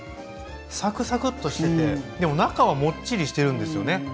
サクサクッとしててでも中はもっちりしてるんですよね。